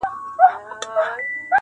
رسوي خبري چي مقام ته د لمبو په زور-